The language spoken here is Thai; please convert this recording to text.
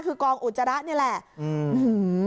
คือกองอุจจระเนี่ยแหละอืมหือฮือ